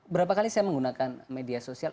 berapa kali saya menggunakan media sosial